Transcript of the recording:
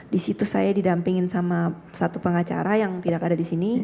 di situ saya didampingin sama satu pengacara yang tidak ada di sini